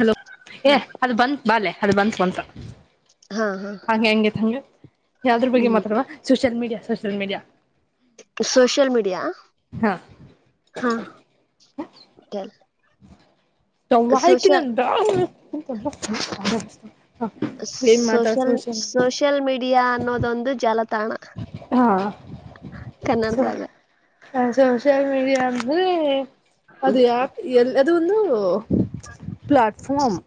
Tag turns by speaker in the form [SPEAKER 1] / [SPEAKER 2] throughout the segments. [SPEAKER 1] Hello ಏ
[SPEAKER 2] ಹ್ಮ್
[SPEAKER 1] ಅದು ಬಂತ ಬಾಲೆ ಅದು ಬಂತತ್ವಂತ
[SPEAKER 2] ಹಾ ಹಾ
[SPEAKER 1] ಹಾಗೆ ಹಂಗಗೆತ್ ಹಂಗೆ ಯಾವದ್ರ ಬಗ್ಗೆ
[SPEAKER 2] ಹ್ಮ್
[SPEAKER 1] ಮಾತ್ರಲ್ವಾ social media social media
[SPEAKER 2] social media
[SPEAKER 1] ಹಾ
[SPEAKER 2] ಹಾ ಚ
[SPEAKER 1] ಸವ್ವಾಯಕ ನ
[SPEAKER 2] ಸೋಷಲ್ ಸೋಷಿಯಲ್ ಮೀಡಿಯಾ ಅನ್ನೋದೊಂದು ಜಾಲತಾಣ
[SPEAKER 1] ಹಾ ಸ
[SPEAKER 2] ಕನ್ನಡದಾಗ
[SPEAKER 1] ಹ ಸೋಷಿಯಲ್ ಮೀಡಿಯಾ ಅಂದ್ರೆ ಅದು ಯಪ್ ಎಲ್ಲ ಅದು ಒಂದು ಪ್ಲಾಟ್ಫಾರ್ಮ್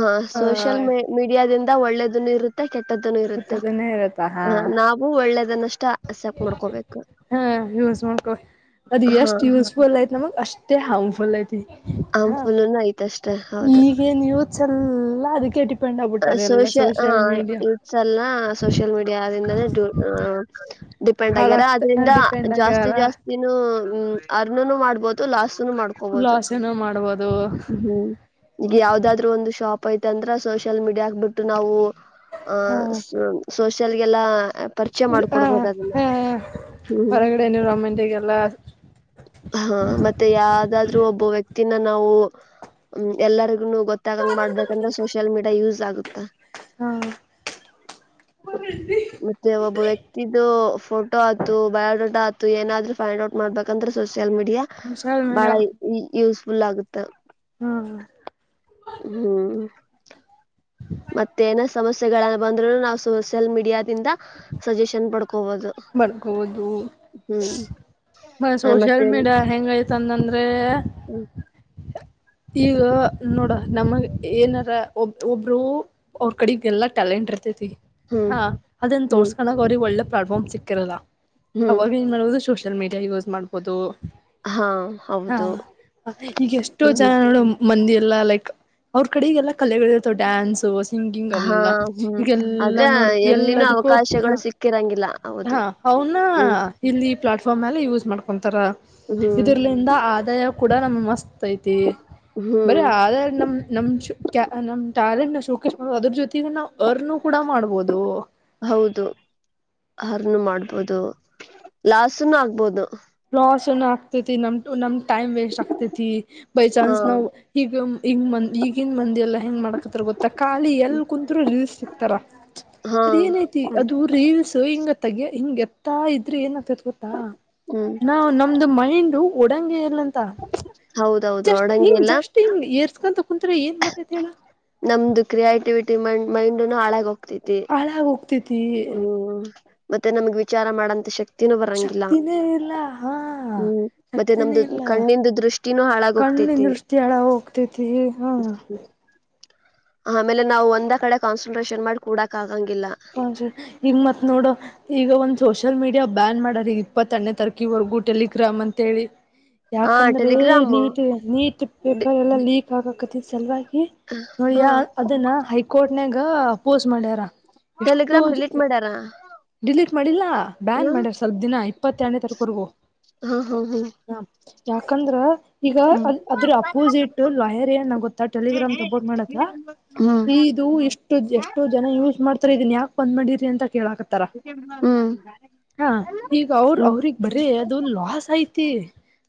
[SPEAKER 2] ಹ
[SPEAKER 1] ಆ
[SPEAKER 2] ಸೋಷಿಯಲ್ ಮ ಮೀಡಿಯಾದಿಂದ ಒಳ್ಳೇದನ್ನು ಇರುತ್ತೆ ಕೆಟ್ಟದ್ದನು ಇರುತ್ತ
[SPEAKER 1] ಕೆಟ್ಟದನ್ನೇ ಇರತ್ತಾ ಹಾ
[SPEAKER 2] ಹ ನಾವು ಒಳ್ಳೇದನ್ನಷ್ಟ ಸ್ಯಾಕ್ ಮಾಡ್ಕೋಬೇಕು
[SPEAKER 1] ಹಾ ಯೂಸ್ ಮಾಡ್ಕೊ ಅದ್
[SPEAKER 2] ಹಾ
[SPEAKER 1] ಎಷ್ಟ್ ಯೂಸ್ಫುಲ್ ಐ್ತ್ ನಮಗ್ ಅಷ್ಟೇ ಹಾರ್ಮ್ಫುಲ್ ಐತಿ ಹಾ
[SPEAKER 2] ಅಂಫುಲ್ನು ಐತಷ್ಟೆ ಹೌದು
[SPEAKER 1] ಈಗ ನೀವು ಚೆಲ್ಲ ಅದಕ್ಕೆಟ
[SPEAKER 2] ಸೋಷಿಯ ಹ ಇಟ್ಸ ಅಲ್ಲ ಸೋಷಿಯಲ್ ಮೀಡಿಯಾ ಆದ್ರಿಂದಾನೇ ಡಿಪೆಂಡ್ ಆಗ್ಯಾರ
[SPEAKER 1] ಹಾಳಾಗ್ತ
[SPEAKER 2] ಅದ್ರಿಂದ
[SPEAKER 1] ಡಿಪೆಂಡ್
[SPEAKER 2] ಜಾಸ್ತಿ
[SPEAKER 1] ಆಗ್ಯಾರ
[SPEAKER 2] ಜಾಸ್ತಿನ ಅರ್ನ್ನು ಮಾಡ್ಬಹದು ಲಾಸ್ಟ್ ಮಾಡ್ಕೋಬಹುದು
[SPEAKER 1] ಲಾಸನು ಮಾಡ್ಬೋದು
[SPEAKER 2] ಹ್ಮ್ ಈಗ ಯಾವದಾದ್ೂ ಒಂದು ಶಾಪ್ ೈತ ಅಂದ್ರ ಸೋಷಿಯಲ್ ಮೀಡಿಯಾ ಹಕ್ಬಿಟ್ಟು ನಾವು ಆ ಸೋಷಲ್ಗೆಲ್ಲ
[SPEAKER 1] ಹ ಹ
[SPEAKER 2] ಹ್ಮ್
[SPEAKER 1] ಹೊರಗಡೆ ಎನ್ವಿರಾಮೆಂಟ್ಗೆಲ್ಲ
[SPEAKER 2] ಹಾ ಮತ್ತೆ ಯಾವ್ದಾದ್ ಒಬ್ಬ ವ್ಯಕ್ತಿನ ನಾವು ಎಲ್ಲರಿಗ ಗೊತ್ತಾಗಂಗ್ ಮಾಡ್ಬೇಕಂದ್ರೆ ಸೋಷಿಯಲ್ ಮೀಾ ಎ ಯೂಸ್ ಆಗುತ್ತಾ
[SPEAKER 1] ಹ್ಮ ಿ
[SPEAKER 2] ಮತ್ತೆ ಒಬ್ಬ ವ್ಯಕ್ತಿದು ಫೋಟೋ ಆತು ಬಯೋಡೇಟಾ ಆತು ಏನಾದ್ರೂ ಫೈಂಡ್ ಔಟ್ ಮಾಡ್ಬೇಕಂದ್ರೆ ಸೋಷಿಯಲ್ ಮೀಡಿಯಾ
[SPEAKER 1] ಸೋಷಿಯಲ್
[SPEAKER 2] ಬಹಳ
[SPEAKER 1] ಮೀಡಿಯಾ
[SPEAKER 2] ಯೂಸ್ಫುಲ್ ಆಗುತ್ತೆ
[SPEAKER 1] ಹಾ
[SPEAKER 2] ಹ್ಮ್ ಮತ್ತೆ ಏನೋ ಸಮಸ್ಯೆಗಳನ್ನ ಬಂದ್ರು ನಾವು ಸೋಷಿಯಲ್ ಮೀಡಿಯಾದಿಂದ ಸಜೆಷನ್ ಪಡ್ಕೋಬಹುದು
[SPEAKER 1] ಬಡ್ಕೋದು
[SPEAKER 2] ಹ್ಮ್
[SPEAKER 1] ಮ
[SPEAKER 2] ಆ ಮತ್ತೆ
[SPEAKER 1] ಸೋಷಿಯಲ್ ಮೀಡಿಯಾ ಹೆಂಗ ಐತಂದಂದ್ರೆ ಈಗ ನೋಡ ನಮಗ್ ಏನಾರ ಒಬ್ ಒಬ್ರು ಅವ್ರ ಕಡೆಗ್ ಎಲ್ಲಾ ಟ್ಯಾಲೆಂಟ್ ತತಿ
[SPEAKER 2] ಹ್ಮ್
[SPEAKER 1] ಹಾ ಅದನ್
[SPEAKER 2] ಹ್ಮ್
[SPEAKER 1] ತೋರ್ಸ್ಕನಾಗ ಅವ್ರಿಗೆ ಒಳ್ಳೆ ಪ್ಲಾಟ್ಫಾರ್ಮ್ ಸಿಕ್ಕಿರಲ್ಲ
[SPEAKER 2] ಹ್ಮ್
[SPEAKER 1] ಅವಾಗ ಏನ್ ಮಾಡುದು ಶ
[SPEAKER 2] ಹಾ ಹೌದು
[SPEAKER 1] ಇಲ್ಲ
[SPEAKER 2] ಹ್ಮ್
[SPEAKER 1] ಜನ ಮಂದಿ ಎಲ್ಲಾ ಲೈಕ್ ಅವ್ರ ಕಡೆಗೆಲ್ಲಾ ಕಲೆಗಳು ಇರ್ತಾವ ಡ್ಯಾನ್ಸು ಹಿಂಗ ಹಿಂಗ್
[SPEAKER 2] ಹಾ
[SPEAKER 1] ಅವನಿಲ್ಲ
[SPEAKER 2] ಹ್ಮ್
[SPEAKER 1] ಈಗೆಲ್ಲಾ
[SPEAKER 2] ಆದ್ರೆ
[SPEAKER 1] ನೋಡ್
[SPEAKER 2] ಎಲ್ಲಿನೂ
[SPEAKER 1] ಎಲ್ಲದಕ್ಕೂ
[SPEAKER 2] ಅವಕಾಶಗಳು ಸಿಕ್ಕಿರಂಗಿಲ್ಲ ಹೌದು
[SPEAKER 1] ಅವನಾ
[SPEAKER 2] ಹ್ಮ್
[SPEAKER 1] ಇಲ್ಲಿ ಪ್ಲಾಟ್ ಫೋನ್ಲೆ ಯೂಸ್ ಮಾಡ್ಕೊತಾರ
[SPEAKER 2] ಹ್ಮ್
[SPEAKER 1] ಇದರ್ಲಂದ ಆದಾಯ ಕೂಡ ನಮ್ ಮಸ್ತ್ ಐತಿ ಬರೇ
[SPEAKER 2] ಹ್ಮ್
[SPEAKER 1] ಆದ ನಮ್ ನಮ್ ನಮ್ ಟ್ಯಾಲೆಂಟ್ ನ ಶೋಕೇಶ ಮಾಡ ಅದ್ರ ಜೊತೆಗ ನಾವು ಅರ್ ಕೂಡ ಮಾಡ್ಬೋದು
[SPEAKER 2] ಹೌದು ಹರ್ನು ಮಾಡ್ಬೋದು ಲಾಸ್ನು ಆಗ್ಬೋದು
[SPEAKER 1] ಪಸಣ ಆಗ್ತೈತಿ ನಮ್ಮ ು ನಮ್ಮ್ ಟೈಮ್ ವೇಸ್ಟ್ ಆಗ್ತೈತಿ ಬೈ
[SPEAKER 2] ಹಾ
[SPEAKER 1] ಚಾನ್ಸ್ ನಾವು ಈಗ ಈಗಿನ ಮಂದಿ ಎಲ್ಲ ಹೆಂಗ್ ಮಾಡಕ ಗೊತ್ತಾ ಖಾಲಿ ಎಲ್ ಕುತ್ರು ರೀಲ್ಸ್ ಸಿಕ್ತಾರ
[SPEAKER 2] ಹಾ
[SPEAKER 1] ಅದ ಏನಐತಿ
[SPEAKER 2] ಹ್ಮ್
[SPEAKER 1] ಅದು ರೀಲ್ಸ್ ಹಂಗ ಹಿಂಗೆತ್ತಾ ಇದ್ರೆ ಏನತ ಗೊತ್ತಾ
[SPEAKER 2] ಹ್ಮ್
[SPEAKER 1] ನಾ ನಮ್ದು ಮೈಂಡ್ ಒಡ ಇಲ್ಲಂತ
[SPEAKER 2] ಹೌದೌದು
[SPEAKER 1] ಜಸ್ಟ್ ಹಿಂಗ
[SPEAKER 2] ಒಡಂಗಿಲ್ಲ
[SPEAKER 1] ಜಸ್ಟ್ ಹಿಂಗ ಏರ್ಸ್ಕೊಂತ ಕುತ್ರೆ ಏನ್ ಮಾಡ್ತೈತಿ ಹೇಳಣ
[SPEAKER 2] ನಮ್ದು ಕ್ರಿಯೇಟಿವಿಟಿ ಮೈಂಡ್ ಮೈಂಡ್ನು ಹಾಳಾಗೋಗ
[SPEAKER 1] ಹಾಳಾಗ ಹೋಗ್ತೇತಿ
[SPEAKER 2] ಮತ್ತೆ ನಮ್ಗೆ ವಿಚಾರ ಮಾಡಂತ ಶಕ್ತಿ ಬರಂಗಿಲ್ಲ
[SPEAKER 1] ಶಕ್ತಿನೇ ಇಲ್ಲ ಹಾ
[SPEAKER 2] ಹ್ಮ್ ಮತ್ತೆ ನಮ್ದು ಕಣ್ಣಿಂದ ದೃಷ್ಟಿನೂ ಹಾಳಾಗೋಗ್ತ
[SPEAKER 1] ಇಲ್ಲಿ ದೃಷ್ಟಿ ಎಳ ಹೋಗ್ತೇತಿ ಹಾ
[SPEAKER 2] ಆಮೇಲೆ ನಾವು ಒಂದ ಕಡೆ ಕಾನ್ಸಂಟ್ರೇಷನ್ ಮಾಡಿ ಕೂಡಕ್ ಆಗಂಗಿಲ್ಲ
[SPEAKER 1] ಈಗ ಮತ್ ನೋಡ ಈಗ ಒಂದ್ ಸೋಷಲ್ ಮೀಡಿಯಾ ಬ್ಯಾನ್ ಮಾಡರ್ ಈ ಇಪ್ಪತ್ತಣನೇ ತರಕಿವರೆಗೂ ಟೆಲಿಗ್ರಾಮ್ ಅಂತ ಿ
[SPEAKER 2] ಆ
[SPEAKER 1] ಯಾಕಂದ್ರೆ
[SPEAKER 2] ಟೆಲಿಗ್ರಾಮ್
[SPEAKER 1] ನೀಟ್ ನೀಟ್ ಪೇಪರ್ ಎಲ್ಲ ಲೀಕ್ ಆಗಕತಿ ಸಲುವಾಗಿ ನೋಡಿ
[SPEAKER 2] ಹಾ
[SPEAKER 1] ಯ ಅದನ್ನ ಹೈಕೋರ್ಟ್ನಾಗ ಅಪೋಸ್ ಮಾಡ್ಯಾರ ಎಷ್ಟೋ
[SPEAKER 2] ಟೆಲಿಗ್ರಾಮ್ ಡಿಲೀಟ್ ಮಾಡ್ಯಾರಾ
[SPEAKER 1] ಡಿಲೀಟ್ ಮಾಡಿಲ್ಲಾ ಬ್ಯಾನ್ ಮಾಡ್ಯಾರ ಸ್ವಲ್ಪ ದಿನ ಇಪ್ಪತ್ತೆರನೇ ತಾರಕವರೆಗೂ ಹ ಯಾಕಂದ್ರ ಈಗ
[SPEAKER 2] ಹ್ಮ್
[SPEAKER 1] ಅದ್ ಅದ್ರ ಅಪೋಸಿಟ್ ಲಾಯರ್ ಏನ್ಗುತ್ತ ಟೆಲಿಗ್ರಾಮ್ ತಪೋರ್ಟ್ ಮಾಡತ್ತ
[SPEAKER 2] ಹ್ಮ್
[SPEAKER 1] ಇದು ಎಷ್ಟು ಎಷ್ಟೋ ಜನ ಯೂಸ್ ಮಾಡ ಹತ್ರ ಇದನ್ ಯಾಕೆ ಬಂದ್ ಮಾಡಿರಿ ಅಂತ ಕೇಳಾಕತ್ತಾರ
[SPEAKER 2] ಹ್ಮ್
[SPEAKER 1] ಹಾ ಈಗ ಅವ್ರ
[SPEAKER 2] ಹ್ಮ್
[SPEAKER 1] ಅವ್ರಗ್ ಬರೀ ಅದು ಲಾಸ್ ಐತಿ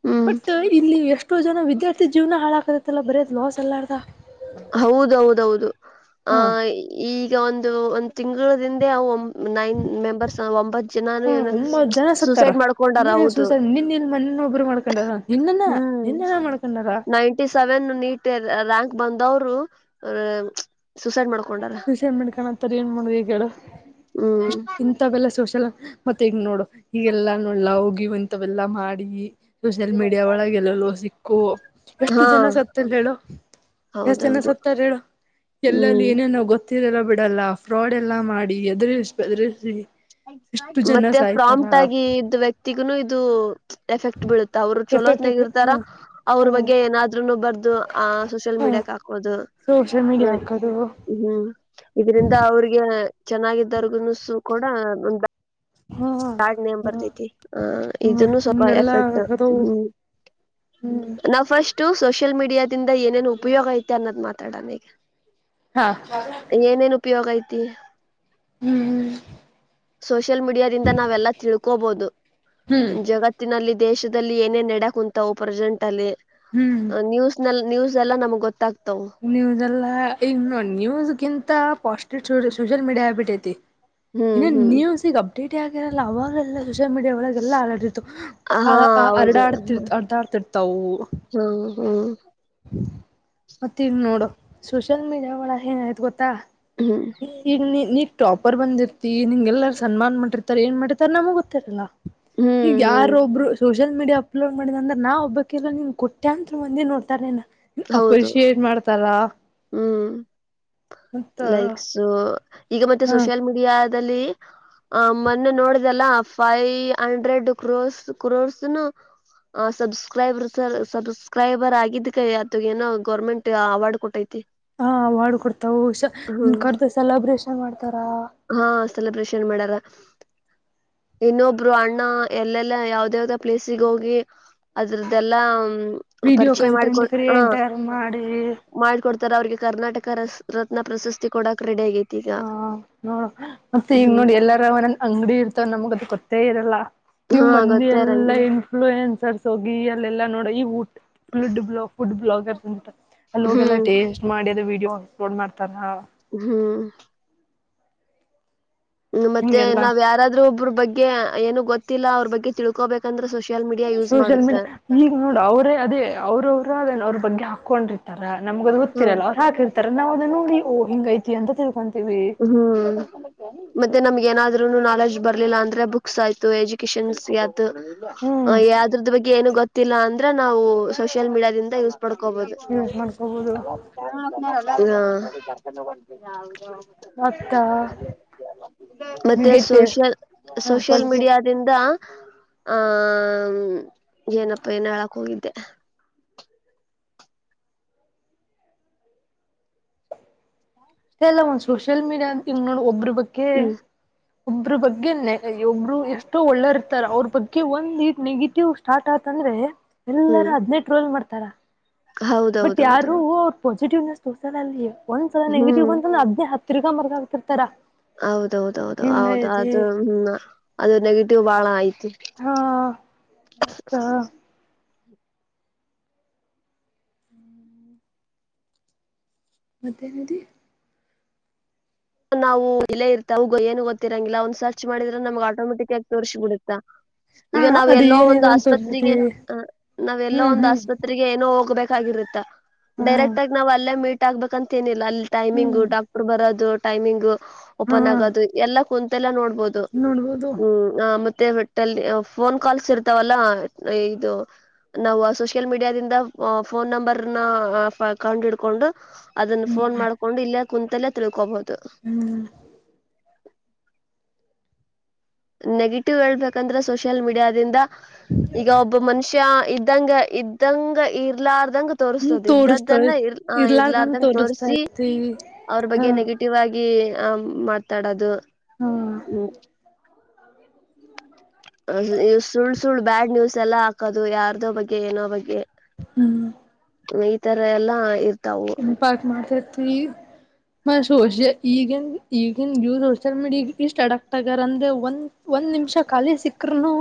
[SPEAKER 2] ಹ್ಮ್
[SPEAKER 1] ಬಟ್ ಇಲ್ಲಿ ಎಷ್ಟೋ ಜನ ವಿದ್ಯಾರ್ಥಿ ಜೀವನ ಹಾಳಾಕದತ್ತಲ್ಲ ಬರ್ಯದ್ ಲಾಸ್ ಎಲ್ಲಾರ್ದ
[SPEAKER 2] ಹೌದೌದೌದು ಆ
[SPEAKER 1] ಹಾ
[SPEAKER 2] ಈಗ ಒಂದು ಇ ಒಂದು್ ತಿಂಗಳ ದಿಂದೆ ಅವು ನೈನ್ ಮೆಂಬರ್ಸ್ ಒಂಬತ್ ಜನಾನ
[SPEAKER 1] ಹ್ಮ
[SPEAKER 2] ಏನು
[SPEAKER 1] ಒಂಬತ್ ಜನ ಸತ್ತಾರ
[SPEAKER 2] ಸೂಸೈಡ್ ಮಾಡ್ಕೊಂಡಾರ
[SPEAKER 1] ನೀ
[SPEAKER 2] ಹೌದು
[SPEAKER 1] ಸೂಸೈಡ್ ನಿನ್ ಇಲ್ ಮನ ಒಬ್ರು ಮಾಡ್ಕೊಂಡಾರ ನಿನ್ನನ
[SPEAKER 2] ಹ್ಮ್
[SPEAKER 1] ನಿನ್ನನ ಮಾಡ್ಕೊಂಡಾರ
[SPEAKER 2] ನೈಂಟಿ ಸೆವೆನ್ ನೀಟ್ ರಕ್ ಬಂದವ್ರು ಸೂಸೈಡ್ ಮಾಡ್ಕ
[SPEAKER 1] ಸುಸಲ್ ಮಾಡ್ಕೋಂತರಿ ಏನ್ ಮಾಡುದುಗ
[SPEAKER 2] ಹ್ಮ್
[SPEAKER 1] ಇಷ್ಟ ಇಂಂತ ಬೆಲ್ಲ ಸೋಶಾಲ ಮತ್ತ ಈಗ್ ನೋಡು ಈಗೆಲ್ಲಾ ನೋಡ್ಲ ಹೋಗಿ ಒಂತವೆಲ್ಲಾ ಮಾಡಿ ಸೋಷಿಯಲ್ ಮೀಡಿಯಾ ಒಳಗೆ ಗೆಲ್ಲಲ್ಲೋ ಸಿಕ್ಕು ಎಷ್ಟು
[SPEAKER 2] ಹಾ
[SPEAKER 1] ಜನ ಸತ್ತಲ್ಲ ಹೇಳು ಎಷ್ಟ ಚನ್
[SPEAKER 2] ಹೌದೌದು
[SPEAKER 1] ಸತ್ತಾರ ಹೇಳು ಎಲ್ಲಲ್ಲಿ
[SPEAKER 2] ಹ್ಮ್
[SPEAKER 1] ಏನೇನ ೀರೆಲ್ಲ ಬಿಡಲ್ಲ ಫ್ರಾಡ್ ಎಲ್ಲಾ ಮಾಡಿ ಎದುರಿ
[SPEAKER 2] ಮತ್ತೆ
[SPEAKER 1] ಸಾಯ್ತಾರ
[SPEAKER 2] ಪ್ರಾಂಟ್ ಆಗಿ ಇದ್ದ ವ್ಯಕ್ತಿಗ ಇದು ಎಫೆಕ್ಟ್ ಬೀಳುತ್ತ ಅವ್ರು
[SPEAKER 1] ಎಫೆಕ್ಟ್
[SPEAKER 2] ಚಲೋತ್ನಾಗ
[SPEAKER 1] ಹ
[SPEAKER 2] ಇರ್ತಾರ ಅವ್ರ
[SPEAKER 1] ಹ
[SPEAKER 2] ಬಗ್ಗೆ ಏನಾದ್ೂನು ಬರ್ದು ಅ ಸೋಷಿಯಲ್
[SPEAKER 1] ಹ
[SPEAKER 2] ಮೀ ಬಿಡಕ್ ಹಕೋದು
[SPEAKER 1] ಸೋಷಿಯಲ್ ಮೀಡಿಯಾ ಹಾಕದು
[SPEAKER 2] ಇದ್ರಂದ ಅವ್ರಿಗೆ ಚೆನ್ನಾಗಿದ್ದರ್ಗುನಸು ಕೂಡ ಒ
[SPEAKER 1] ಹಾ
[SPEAKER 2] ಕಡ್ ನೇಮ
[SPEAKER 1] ಹ
[SPEAKER 2] ಬರ್ತೈತಿ ಆ
[SPEAKER 1] ಹ್ಮ
[SPEAKER 2] ಇದನ್ನು ಸ್ವಲ್ಪ
[SPEAKER 1] ಹಿಂಗೆಲ್ಲಾ
[SPEAKER 2] ಎಫೆಕ್ಟ್
[SPEAKER 1] ಅದವು
[SPEAKER 2] ಹ್ಮ್
[SPEAKER 1] ಹ್ಮ್
[SPEAKER 2] ನಾ್ ಫಸ್ಟ್ು ಸೋಷಿಯಲ್ ಮೀಡಿಯಾದಿಂದ ಏನೇನು ಉಪಯೋಗ ಐತೆ ಅನ್ನೋದ್ ಮಾತಾಡನ್ ಈಗ
[SPEAKER 1] ಹಾ
[SPEAKER 2] ಏನೇನ್ ಉಪಯೋಗ ಐತಿ
[SPEAKER 1] ಹ್ಮ್
[SPEAKER 2] ಸೋಷಿಯಲ್ ಮೀಡಿಯಾದಿಂದ ನಾವೆಲ್ಲಾ ತಿಳ್ಕೋಬಹುದು
[SPEAKER 1] ಹ್ಮ್
[SPEAKER 2] ಜಗತ್ತಿನಲ್ಲಿ ದೇಶದಲ್ಲಿ ಏನೇನ್ ನಡಕ್ ಕುಂತವು ಪ್ರೆಸೆಂಟ್ ಅಲ್ಲಿ
[SPEAKER 1] ಹ್ಮ್
[SPEAKER 2] ನ್ಯೂಸ್ ನಲ್ಲಿ ನ್ಯೂಸ್ ಎಲ್ಲ ನಮ್ ಗೊತ್ತತ
[SPEAKER 1] ನ್ೂಸ್ ಎಲ್ಲ ಈ ನ್ೂಸ್ಗಿಂತ ಪಾಸ್ಟ ಸೋಷಿಯಲ್ ಮೀಡಿಯಾ ಹ್ಯಾಬಿಟ್ ಐತಿ
[SPEAKER 2] ಹ್ಮ್
[SPEAKER 1] ಇನ್ನ
[SPEAKER 2] ಹ್ಮ್
[SPEAKER 1] ನ್ಯೂಸ ಈಗ್ ಅಪ್ಡೇಟ್ ಆಗಿರಲ್ಲ ಅವಾಗಲ್ಲ ಸೋಷಿಯಲ್ ಮೀಡಿಯಾ ಒಳಗೆ ಎಲ್ಲಾ ಅರಡಿರ್ತವು
[SPEAKER 2] ಹಾ ಹೌದು
[SPEAKER 1] ಅರಡಾಡ್ತಿರ್ ಅರ್ಡಾಡ್ತಿರ್ತವು
[SPEAKER 2] ಹ್ಮ ಹ್ಮ
[SPEAKER 1] ಮತ್ತ ಇ ನೋಡು ಸೋಷಿಯಲ್ ಮೀಡಿಯಾ ಒಳ ಏನ್ ಆಯ್ತು ಗೊತ್ತಾ
[SPEAKER 2] ಹ್ಮ್ ಹ್ಮ್
[SPEAKER 1] ಟಾಪರ್ ಬಂದಿರ್ತಿ ನಿಂ್ಗೆಲ್ಲಾರು ಸನ್ಮಾನನ್ ಮಾಡಿರ್ತಾರ ಏನ್ ಮಾಡಿರ್ತ ನಮಗ ಗೊತ್ತಿರಲ್ಲ ಹಗ
[SPEAKER 2] ಹ್ಮ್
[SPEAKER 1] ಯಾರ ಒಬ್ರು ಶೋಷ ಸೋಷಲ್ ಮೀಿಯಾ ಅಪ್ಲೋಡ್ ಮಾಡಿದ ಅಂದ್ರ ನಾ ಒಬ್ಬಕೆಲ್ಲ ನಿಮ್ ಕೊಟ್ಟ್ಯಾ ಅಂತ ಮಂದ ನೋಡ್ತಾರೆ
[SPEAKER 2] ಹೌದು ಹ್ಮ್
[SPEAKER 1] ಮತ್ತ
[SPEAKER 2] ಲೈಕ್ಸ್ ಈಗ ಮತ್ತೆ
[SPEAKER 1] ಹ
[SPEAKER 2] ಸೋಷಿಯಲ್ ಮೀಡಿಯಾದಲ್ಲಿ ಆ ಮೊನ್ನೆ ನೋಡಿದೆಲ್ಲ ಫೈವ್ ಹಂಡ್ರೆಡ್ ಕ್ರೋರ್ಸ್ ಕ್ರೋರ್ಸ್ನು ಆ ಸಬ್ಸ್ಕ್ರೈಬರ್ ಸರ್ ಸಬ್ಸ್ಕ್ರೈಬರ್ ಆಗಿದ್ ಕೈ ಇ ಏನೋ ಗೌರ್ಮೆಂಟ್ ಅವಾರ್ಡ್ ಕೊಟ್ಟೈತಿ
[SPEAKER 1] ಹಾ ವಾಡ್ಕ ಕೊಡ್ತಾವಷ
[SPEAKER 2] ಹ್ಮ್
[SPEAKER 1] ಕರ್ದು ಸೆಲೆಬ್ರೇಷನ್ ಮಾಡ್ತ
[SPEAKER 2] ಹಾ ಸೆಲೆಬ್ರಷನ್ ಮಾಡಾರ ಇನ್ನೊಬ್ರು ಅಣ್ಣ ಎಲ್ಲೆಲ್ಲಾ ಯಾವ್ದ ಯಾವ್ದ ಪ್ಲೇಸಿಗೆ ಹೋಗಿ ಅದ್ರ್ದೆಲ್ಲಾ
[SPEAKER 1] ವಿಡಿಯೋ
[SPEAKER 2] ಪರಿಚಯ ಮಾಡ್ಕೊ
[SPEAKER 1] ಕಂಟೆಂಟ್
[SPEAKER 2] ಹ
[SPEAKER 1] ಕ್ರಿಯೇಟರ್ ಮಾಡಿ
[SPEAKER 2] ಮಾಡಕೊಡ್ತಾರ ಅವ್ರಿಗೆ ಕರ್ನಾಟಕ ರ ರತ್ನ ಪ್ರಶಸ್ತಿ ಕೊಡಕ್ ಕ್ರೆಡಿ ಆಗೈತಿ ಈಗ
[SPEAKER 1] ನೋಡು, ಮತ್ ಈಗ್
[SPEAKER 2] ಹ್ಮ್
[SPEAKER 1] ನೋಡ್ ಎಲ್ಲಾರ ಮನ ಅಂಗ್ಡಿ ಇರ್ತವ ನಮ್ಗದ್ ಗೊತ್ತೇ ಇರಲ್ಲ ನೀವ್
[SPEAKER 2] ಹಾ
[SPEAKER 1] ಮಂದಿ
[SPEAKER 2] ಗೊತ್ತೇ
[SPEAKER 1] ಎಲ್ಲಾ
[SPEAKER 2] ಇರಂಗಿಲ್ಲ
[SPEAKER 1] ಇನ್ಫ್ಲೂಯೆನ್ಸರ್ಸ್ ಹೋಗಿ ಅಲ್ಲೆಲ್ಲಾ ನೋಡ ಈ [unintelligible] ಫುಡ್ ಬ್ಲಾಗರ್ಸ್ ಅಂತ ಅಲ್ಲೊಗ್ ಎಲ್ಲ
[SPEAKER 2] ಹ್ಮ್
[SPEAKER 1] ಟೇಸ್ಟ್ ಮಾಡಿ ಅಫ್ಲೋಡ್ ಮಾಡ್ತಾರ
[SPEAKER 2] ಹ್ಮ ಹ್ಮ್ ಮತ್ತೆ
[SPEAKER 1] ಹಿಂಗೆಲ್ಲಾ
[SPEAKER 2] ನಾವ್ ಯಾರಾದ್ರೂ ಒಬ್ರ್ ಬಗ್ಗೆ ಏನು ಗೊತ್ತಿಲ್ಲ ಅವ್ರ್ ಬಗ್ಗೆ ತಿಳ್ಕೋಬೇಕಂದ್ರ
[SPEAKER 1] ಸೋಷಿಯಲ್ ಮೀಡಿಯಾ, ಈಗ್ ನೋಡು ಅವ್ರೇ ಅದೇ ಅವ್ರ್ ಅವ್ರ ಅದನ್ ಅವ್ರ್ ಬಗ್ಗೆ ಹಾಕೊಂಡ್ ತರ ನಮ್ಗದ್ ಗೊತ್ತಿರಲ್ಲ
[SPEAKER 2] ಹ್ಮ
[SPEAKER 1] ಅವ್ರ್ ಹಾಕಿರ್ತಾರ ನಾವದನ್ ನೋಡಿ ಓ ಇಂಗೈತಿ ಅಂತ ತಿಳ್ಕನ್ತೀವಿ
[SPEAKER 2] ಹ್ಮ್, ಮತ್ತೆ ನಮ್ಗ್ ಏನಾದ್ರು ನುನು ನಾಲೆಜ್ ಬರ್ಲಿಲ್ಲ ಅಂದ್ರೆ ಬುಕ್ಸ್ ಆಯ್ತು ಎಜುಕೇಶನ್ ದು,
[SPEAKER 1] ಹ್ಮ್
[SPEAKER 2] ಯಾದೃದ್ ಬಗ್ಗೆ ಏನು ಗೊತ್ತಿಲ್ಲ ಅಂದ್ರೆ ನಾವು ಸೋಷಿಯಲ್ ಮೀಡಿಯಾದಿಂದ ನೊಡ್ಕೋಬೋದು,
[SPEAKER 1] ಯೂಸ್ ಮಾಡ್ಕೋಬೋದು
[SPEAKER 2] ಹಾ
[SPEAKER 1] ಮತ್ತ
[SPEAKER 2] ಮತ್ತೆ
[SPEAKER 1] ನೆಗೆಟಿವ್
[SPEAKER 2] ಸೋಶ್ಯಲ್,
[SPEAKER 1] ಹ
[SPEAKER 2] ಸೋಶ್ಯಲ್
[SPEAKER 1] ಪಾಸಿಟಿವ್ ಅಷ್ಟೇ
[SPEAKER 2] ಮೀಡಿಯಾದಿಂದ ಆಹ್ ಹಾ ಏನಪ್ಪಾ ಏನೊ ಹೇಳಕ್ ಹೋಗಿದ್ದೆ
[SPEAKER 1] ಇದೆಲ್ಲ ಒಂದ್ ಸೋಷಿಯಲ್ ಮೀಡ್ಯಾ ಇಂಗ್ ನೋಡು ಒಬ್ರ್ ಬಗ್ಗೆ
[SPEAKER 2] ಹ್ಮ್
[SPEAKER 1] ಒಬ್ರ್ ಬಗ್ಗೆ ನೆ ಒಬ್ರು ಎಷ್ಟೋ ಒಳ್ಳೆಹೋರ್ ಇರ್ತಾರ, ಅವ್ರ್ ಬಗ್ಗೆ ಒಂದ್ ಇದ್ ನೆಗೆಟಿವ್ ಸ್ಟಾರ್ಟ್ ಆ ಅಂದ್ರೆ ಎಲ್ಲರ
[SPEAKER 2] ಹ್ಮ್
[SPEAKER 1] ಅದ್ನೇ ಟ್ರೊಲ್ ಮಾಡ್ತಾರ, ಬಟ್
[SPEAKER 2] ಹೌದೌದೌದೌದು
[SPEAKER 1] ಯಾರೂ ಹೂ ಪಾಸಿಟಿವ್ಸ್ ಸಲ ಅಲ್ಲಿ ಒಂದ್ಸಲ ನೆಗೆಟಿವ್
[SPEAKER 2] ಹ್ಮ್
[SPEAKER 1] ಅಂದಲ ಹದ್ೇ ಹಿಗಾ ಮರಗ ಹಾತಿರ್ತಾರ
[SPEAKER 2] ಹೌದೌದೌದು ಹೌದು ಅದು ಹ್ಮ ಅದು ನೆಗೆಟಿವ್ ಬಾಳ
[SPEAKER 1] ಹಾ ಮತ್ತ
[SPEAKER 2] [unintelligible]
[SPEAKER 1] ಹ್ಮ್ ಮಧ್ಯನದಿ
[SPEAKER 2] ನಾವು ಇಲ್ಲೇ ಇರ್ತವು ಗ ಏನು ಗೊತ್ತಿರಂಗಿಲ್ಲ ಒಂದ್ ಸರ್ಚ್ ಮಾಡಿದ್ರ ನಮ್ಗ ಆಟೋಮೆಟಿಕ್ಕಾಗ್ ತೋರ್ಸಿಬಿಡುತ್ತ
[SPEAKER 1] ಹ
[SPEAKER 2] ಈಗ ನಾವ್
[SPEAKER 1] ಅದು
[SPEAKER 2] ಎಲ್ಲೋ ಒಂದ್
[SPEAKER 1] ಏನಿದು ಅಂತ ತೋರ್ಸತಿ
[SPEAKER 2] ಆಸ್ಪತ್ರೆಗೆ, ನಾವ್ ಎಲ್ಲೋ
[SPEAKER 1] ಹ್ಮ್
[SPEAKER 2] ಒಂದ್
[SPEAKER 1] ಹ್ಮ್
[SPEAKER 2] ಆಸ್ಪತ್ರೆಗೆ ಏನೋ ಹೋಗ್ಬೇಕ್ ಆಗಿರುತ್ತ
[SPEAKER 1] ಹಾ
[SPEAKER 2] ಡೈರೆಕ್ಟಗ್ ನಾವ್ ಅಲ್ಲೇ ಮೀಟ್ ಆಗ್ಬೇಕಂತೇನಿಲ್ಲ ಅಲ್ಲಿ ಟೈಮಿಂಗು
[SPEAKER 1] ಹ್ಮ್
[SPEAKER 2] ಡಾಕ್ಟ್ರು ಬರದು ಟೈಮಿಂಗು
[SPEAKER 1] ಹಾ
[SPEAKER 2] ಓಪನ್ ಆಗೋದು ಎಲ್ಲ ಕುಂತಲ್ಲೇ ನೋಡ್ಬೊದು
[SPEAKER 1] ನೋಡ್ಬೋದು
[SPEAKER 2] ಹ್ಮ ಮತ್ತೆ [unintelligible] ಫೋನ್ ಕಾಲ್ಸ್ ಇರ್ತಾವಲ್ಲ ಆ ಇದು ನಾವು ಸೋಷಿಯಲ್ ಮೀಡಿಯಾದಿಂದ ಫೋನ್ ನಂಬರ್ನ ಅ ಫ ಕಂಡ್ ಹಿಡ್ಕೊಂಡು ಅದನ್ ಫೋನ್ ಮಾಡ್ಕೊಂಡು ಇಲ್ಲೇ ಕುಂತಲ್ಲೇ ತಿಳ್ಕೋಬೊದು
[SPEAKER 1] ಹ್ಮ
[SPEAKER 2] [unintelligible] ನೆಗೆಟಿವ್ ಹೇಳ್ಬೇಕಂದ್ರೆ ಸೋಷಿಯಲ್ ಮೀಡಿಯಾದಿಂದ ಈಗ ಒಬ್ಬ ಮನುಷ್ಯನ್ನ ಇದ್ದಂಗ ಇದ್ದಂಗ ಇರ್ಲಾದ ಇದಂಗ
[SPEAKER 1] ಹ್ಮ್
[SPEAKER 2] ತೋರ್ಸ್ತದು
[SPEAKER 1] ತೋರಿಸ್ತವೆ
[SPEAKER 2] ಇದ್ದದ್ದನ್ನ ಇರ್ ಆ ಇರ್ಲಾರ್ದಂಗ
[SPEAKER 1] ತೋರಿಸ್ತಾ
[SPEAKER 2] ತೋರ್ಸಿ
[SPEAKER 1] ಇರ್ತಿ
[SPEAKER 2] ಅವ್ರ
[SPEAKER 1] ಹಾ
[SPEAKER 2] ಬಗ್ಗೆ ನೆಗೆಟಿವ್ ಆಗಿ ಆ ಮಾತಾಡೋದು
[SPEAKER 1] ಹಾ
[SPEAKER 2] ಹ್ಮ್ ಆ ಇ ಸುಳ್ ಸುಳ್ ಬ್ಯಾಡ್ ನ್ಯೂಸ್ ಎಲ್ಲಾ ಹಾಕೋದು ಯಾರ್ದೋ ಬಗ್ಗೆ, ಏನೋ ಬಗ್ಗೆ
[SPEAKER 1] ಹಾ
[SPEAKER 2] ಈ ತರ ಎಲ್ಲಾ ಇರ್ತಾವು
[SPEAKER 1] ನಿಪಾಕ ಮಾತತಿ ಮ ಸೋಷ ಈಗನ್ ಈಗನ್ ಸೋಶ್ಯಲ್ ಮೀಡ್ಯ ಇಷ್ಟ ಆಡ್ ಆಗ್ತ ಇದರಂದ್ರೆ ಒಂದ್ ಒಂದ್ ನಿಮ್ಷ ಖಾಲಿ ಸಿಕ್ರುನು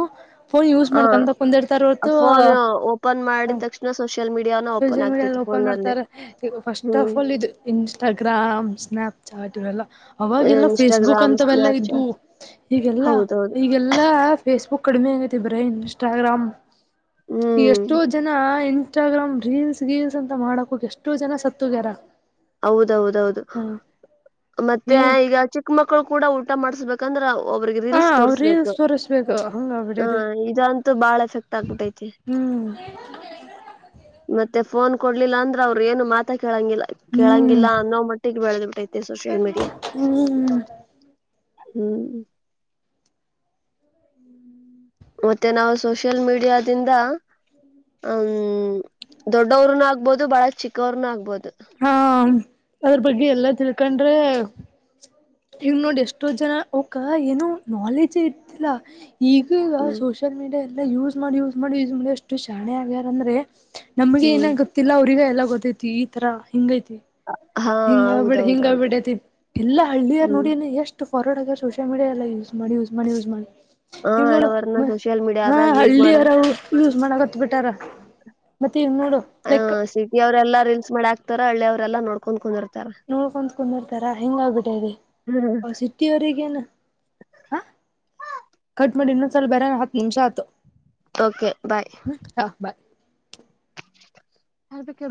[SPEAKER 1] ಫೋನ್ ಯೂಸ್
[SPEAKER 2] ಹ
[SPEAKER 1] ಮಾಡ್ಕಂತ ಕುಂದಿರ್ತಾರ್ ವರ್ತು
[SPEAKER 2] ಫೋನ್ ಓಪನ್ ಮಾಡಿದ ತಕ್ಷಣ ಸೋಷಿಯಲ್ ಮೀಡಿಯಾನ ಓಪನ್
[SPEAKER 1] ಸೋಷಿಯಲ್ ಮೀಡ್ಯ
[SPEAKER 2] ಆಗ್ತೈತಿ
[SPEAKER 1] ಓಪನ್
[SPEAKER 2] ಫೋನ್ ಅಲ್ಲಿ
[SPEAKER 1] ಮಾಡ್ತಾರ ಇದು ಫಸ್ಟ್ ಆಫ್
[SPEAKER 2] ಹ್ಮ್
[SPEAKER 1] ಆಲ್ ಇದು ಇನ್ಸ್ಟಾಗ್ರಾಮ್ ಸ್ನಾಪ್ಚಾಟ್ ಇವೆಲ್ಲ, ಅವಾಗೆಲ್ಲ ಫೇಸ್ಬುಕ್
[SPEAKER 2] ಇನ್ಸ್ಟಾಗ್ರಾಮ್
[SPEAKER 1] ಅಂತಾವೆಲ್ಲ ಇದ್ವು
[SPEAKER 2] ಸ್ನ್ಯಾಪ್ಚಾಟ್
[SPEAKER 1] ಈಗೆಲ್ಲ
[SPEAKER 2] ಹೌದೌದು
[SPEAKER 1] ಈಗೆಲ್ಲಾ ಫೇಸ್ಬುಕ್ ಕಡಿಮೆ ಆಗೈತಿ ಬರೆ ಇನ್ಸ್ಟಾಗ್ರಾಮ್,
[SPEAKER 2] ಹ್ಮ್
[SPEAKER 1] ಎಷ್ಟೋ ಜನ ಇನ್ಸ್ಟಾಗ್ರಾಮ್ ರೀಲ್ಸ್ ಗೀಲ್ಸ್ ಅಂತ ಮಾಡಕ್ ಹೋಗಿ ಎಷ್ಟೋ ಜನ ಸತ್ತೋಗ್ಯಾರ.
[SPEAKER 2] ಹೌದೌದೌದು ಮತ್ತೆ
[SPEAKER 1] ಈ
[SPEAKER 2] ಈಗ ಚಿಕ್ ಮಕ್ಳು ಕೂಡ ಊಟ ಮಾಡ್ಸ್ಬೇಕಂದ್ರ ಒಬ್ಬ್ರಿಗೆ
[SPEAKER 1] ಹ
[SPEAKER 2] ರೀಲ್ಸ್
[SPEAKER 1] ಅವ್ರ
[SPEAKER 2] ತೋರ್ಸ್ಬೇಕು
[SPEAKER 1] ರೀಲ್ಸ್ ತೋರಿಸ್ಬೇಕು ಹಂಗ
[SPEAKER 2] ಹ
[SPEAKER 1] ಬಿಡದೆ
[SPEAKER 2] ಇದಂತೂ ಬಾಳ ಎಫೆಕ್ಟ್ ಆಗ್ಬಿಟ್ಟೈತಿ
[SPEAKER 1] ಹ್ಮ್
[SPEAKER 2] ಮತ್ತೆ ಫೋನ್ ಕೊಡ್ಲಿಲ್ಲ ಅಂದ್ರ ಅವ್ರರು ಏನು ಮಾತಾ ಕೇಳಂಗಿಲ್ಲ
[SPEAKER 1] ಹ್ಮ್
[SPEAKER 2] ಕೇಳಂಗಿಲ್ಲ ಅನ್ನೋ ಮಟ್ಟಿಗೆ ಬೆಳೆದ್ ಬಿಟ್ಟೈತಿ ಸೋಷಿಯಲ್ ಮೀಡಿಯಾ
[SPEAKER 1] ಹ್ಮ್
[SPEAKER 2] ಹ್ಮ್ ಮತ್ತೆ ನಾವು ಸೋಷಿಯಲ್ ಮೀಡಿಯಾದಿಂದ ಹ್ ದೊಡ್ಡವರುನು ಆಗ್ಬೋದು ಬಹಳ ಚಿಕ್ಕವ್ರನು ಆಗ್ಬೋದು
[SPEAKER 1] ಹಾ ಅದ್ರ ಬಗ್ಗೆ ಎಲ್ಲಾ ತಿಳ್ಕೊಂಡ್ರೆ ಈಗ ನೋಡ್ ಎಷ್ಟೋ ಜನ ಅವಕ ಏನೋ ನಾಲೆಜ್ ಇರ್ತಿಲ್ಲ ಈಗ ಈಗ
[SPEAKER 2] ಹ್ಮ್
[SPEAKER 1] ಸೋಷಿಯಲ್ ಮೀಡಿಯಾ ಎಲ್ಲ ಯೂಸ್ ಮಾಡಿ ಯೂಸ್ ಮಾಡಿ ಯೂಸ್ ಮಾಡಿ ಎಷ್ಟು ಶಾಣ್ಯಾ ಆಗ್ಯಾರ ಅಂದ್ರೆ ನಮ್ಗೆ
[SPEAKER 2] ಹ್ಮ್
[SPEAKER 1] ಏನ ಗೊತ್ತಿಲ್ಲ ಅವ್ರಿಗೆಗ ಎಲ್ಲ ಗೊತ್ತೈತಿ ಈ ತರ ಹಿಂಗೈತಿ
[SPEAKER 2] ಹ
[SPEAKER 1] ಹಿಂಗ ಆಗ್ಬಿಡ ಹಿಂಗ ಆಗ್ಬಿಡತಿ ಎಲ್ಲಾ ಹಳ್ಳಿಯ
[SPEAKER 2] ಹ್ಮ್
[SPEAKER 1] ನೋಡಿ ಎಷ್ಟು ಹೊರಗಡೆ ಹೋದಾಗ ಸೋಷಲ್ ಮೀಡಿಯಾ ಎಲ್ಲ ಯೂಸ್ ಮಾಡಿ ಯೂಸ್ ಮಾಡಿ ಯೂಸ್ ಮಾಡಿ
[SPEAKER 2] ಹ
[SPEAKER 1] ನೀವ್ ನೋಡ
[SPEAKER 2] ಹಣವರ್ನ ಸೋಷಿಯಲ್
[SPEAKER 1] ಹ
[SPEAKER 2] ಮೀಡಿಯಾದಾಗ ಯೂಸ್
[SPEAKER 1] ಹಳ್ಳಿಯ
[SPEAKER 2] ಮಾಡದ
[SPEAKER 1] ಅವರ ಯೂಸ್ ಮಾಡಕತ್ ಬಿಟ್ಟಾರ ಮತ್ತೆ ಈಗ ನೋಡು ಲೈಕ್
[SPEAKER 2] ಹ ಸಿಟಿ ಅವರೆೆಲ್ಲ ರೀಲ್ಸ್ ಮಾಡಿ ಬಿಡಾಕ್ತಾರ ಹಳ್ಳಿ ಅವರೆಲ್ಲ ನೋಡ್ಕೊಂಡ್ ಕುಂದಿರ್ತಾರೆ
[SPEAKER 1] ನೋಡ್ಕೊಂದ ಕುಂದರ್ತಾರ ಹೆಂಗ ಆಗ್ಬಿಟ್ಟದೆ ಅವ ಸಿಟ್ಟಿವರಿಗೇನ ಹ ಕಟ್ಟ ಮಾಡಿ ಇನ್ನೊಂದ್ಸಲ ಬೇರೆ ಹತ್ ನಿಮಿಷ ಆಯಿತು
[SPEAKER 2] ಓಕೆ ಬಾಯ್
[SPEAKER 1] ಹ ಬಾಯ್
[SPEAKER 2] ಹದಕ್ಕೆ